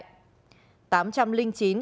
tám trăm linh chín công trình dân sinh